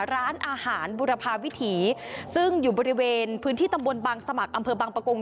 ร้านอาหารบุรพาวิถีซึ่งอยู่บริเวณพื้นที่ตำบลบางสมัครอำเภอบางประกง